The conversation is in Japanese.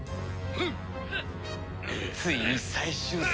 ついに最終戦？